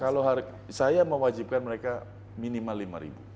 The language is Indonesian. kalau harga sekarang saya mewajibkan mereka minimal lima ribu